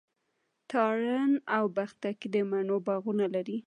تارڼ اوبښتکۍ د مڼو باغونه لري.